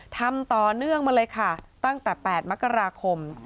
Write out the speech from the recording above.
ทำต่อเนื่องมาเลยค่ะตั้งแต่๘มกราคม